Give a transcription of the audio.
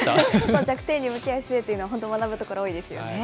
弱点に向き合う姿勢というのは本当、学ぶところ多いですよね。